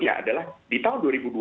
ya adalah di tahun dua ribu dua puluh